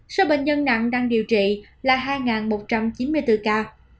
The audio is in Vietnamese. số bệnh nhân nặng đang điều trị là hai một trăm chín mươi bốn ca